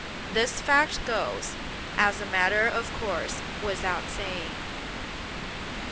This fact goes, as a matter of course, without saying.